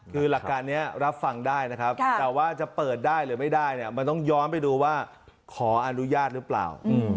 คือหลักการนี้รับฟังได้นะครับแต่ว่าจะเปิดได้หรือไม่ได้เนี่ยมันต้องย้อนไปดูว่าขออนุญาตหรือเปล่า